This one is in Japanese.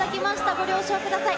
ご了承ください。